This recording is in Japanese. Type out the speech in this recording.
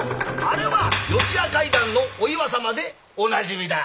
あれは「四谷怪談」のお岩様でおなじみだ。